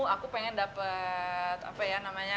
aku pengen dapat apa ya namanya